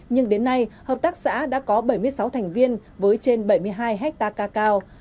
nhưng đến nay hợp tác xã đã có bảy mươi sáu thành viên với trên bảy mươi hai hectare cacao